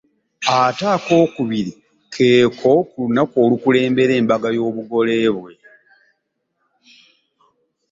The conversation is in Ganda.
Ate akookubiri keeko ku lunaku olukulembera embaga y’obugole bwe.